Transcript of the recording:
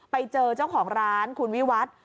ไปเจอเจ้าของร้านคุณวิวัฒน์